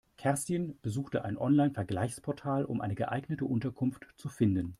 Kerstin besuchte ein Online-Vergleichsportal, um eine geeignete Unterkunft zu finden.